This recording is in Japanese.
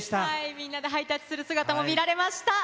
みんなでハイタッチする姿も見られました。